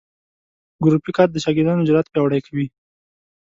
ګروپي کار د شاګردانو جرات پیاوړي کوي.